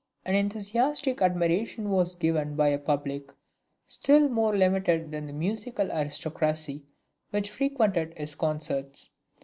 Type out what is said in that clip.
An enthusiastic admiration was given him by a public still more limited than the musical aristocracy which frequented his concerts.